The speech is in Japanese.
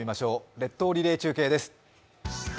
列島リレー中継です。